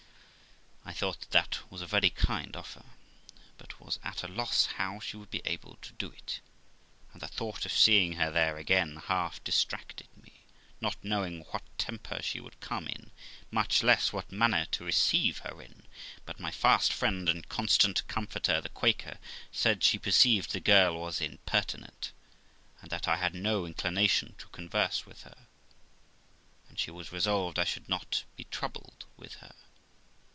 I thought that was a very kind offer, but was at a loss how she would be able to do it ; and the thought of seeing her there again half distracted me, not knowing what temper she would come in, much less what manner to receive her in; but my fast friend and constant comforter, the Quaker, said she perceived the girl was impertinent, and that I had no inclination to converse with her, and she was resolved I should not be troubled with her.